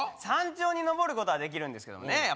山頂に登ることはできるんですけどね